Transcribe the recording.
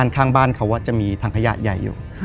ข้างบ้านเขาจะมีถังขยะใหญ่อยู่